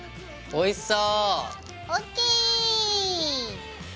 おいしそ。